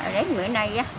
đấy mười này